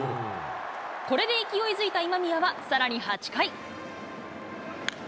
これで勢いづいた今宮は、さらに８回。